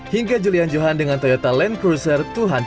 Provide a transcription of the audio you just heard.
hingga julian johan dengan toyota land cruiser dua ratus